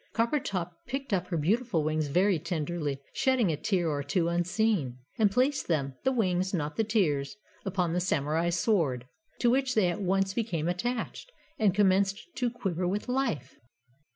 Coppertop picked up her beautiful wings very tenderly, shedding a tear or two unseen, and placed them the wings, not the tears upon the Samurai's sword, to which they at once became attached, and commenced to quiver with life!